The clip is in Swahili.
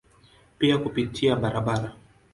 Pia kupitia barabara.